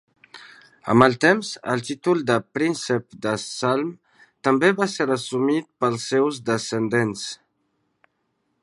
Amb el temps, el títol de príncep de Salm també va ser assumit pels seus descendents.